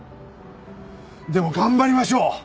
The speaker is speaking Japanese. でも頑張りましょう！